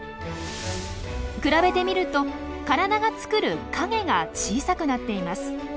比べてみると体が作る影が小さくなっています。